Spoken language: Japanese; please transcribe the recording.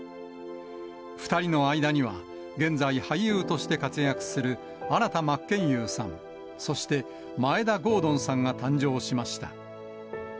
２人の間には、現在、俳優として活躍する、新田真剣佑さん、そして眞栄田郷敦さんが誕生しました。